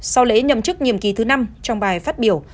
sau lễ nhậm chức nhiệm kỳ thứ năm trong bài phát biểu